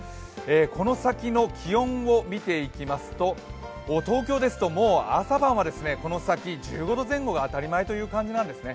この先の気温を見ていきますと、東京ですと、もう朝晩はこの先、１５度前後が当たり前という感じなんですね。